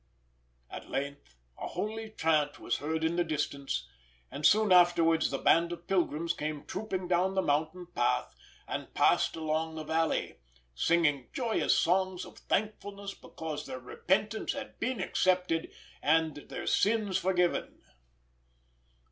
At length a holy chant was heard in the distance, and soon afterwards the band of pilgrims came trooping down the mountain path and passed along the valley, singing joyous songs of thankfulness because their repentance had been accepted and their sins forgiven.